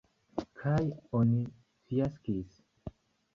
Kaj oni fiaskis.